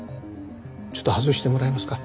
ちょっと外してもらえますか？